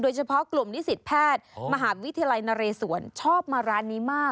เฉพาะกลุ่มนิสิตแพทย์มหาวิทยาลัยนเรศวรชอบมาร้านนี้มาก